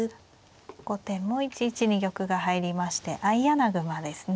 後手も１一に玉が入りまして相穴熊ですね。